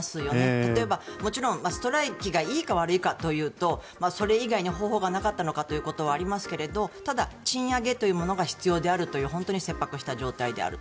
例えば、もちろんストライキがいいか悪いかというとそれ以外に方法がなかったのかということはありますがただ、賃上げというものが必要であるという本当に切迫した状態であると。